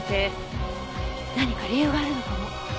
何か理由があるのかも。